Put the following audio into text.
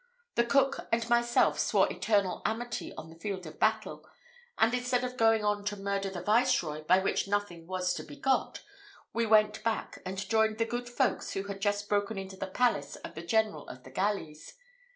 The cook and myself swore eternal amity on the field of battle, and instead of going on to murder the Viceroy, by which nothing was to be got, we went back, and joined the good folks who had just broken into the palace of the general of the galleys.